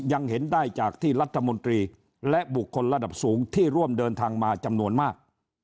ยังเห็นได้จากที่รัฐมนตรีและบุคคลระดับสูงที่ร่วมเดินทางมาจำนวนมาก